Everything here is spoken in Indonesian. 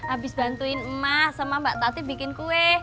abis bantuin emak sama mbak tati bikin kue